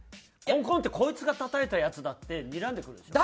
コンコンってこいつがたたいたヤツだってにらんでくるでしょ？